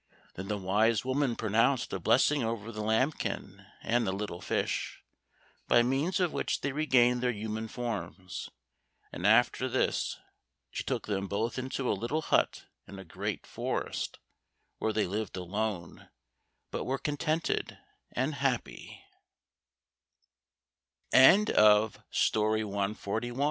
Then the wise woman pronounced a blessing over the lambkin and the little fish, by means of which they regained their human forms, and after this she took them both into a little hut in a great forest, where they lived alone, but were contented and happy. 142 Simeli Mountain There